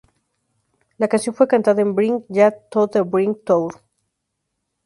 La canción fue cantada en Bring Ya to the Brink Tour.